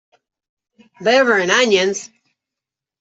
Liver and onions.